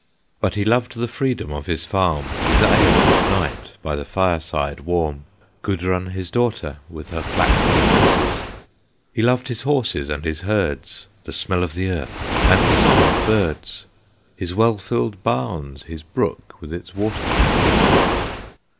But he loved the freedom of his farm, His ale at night, by the fireside warm, Gudrun his daughter, with her flaxen tresses. He loved his horses and his herds, The smell of the earth, and the song of birds, His well filled barns, his brook with its watercresses.